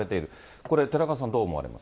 これ、寺門さん、どう思われます？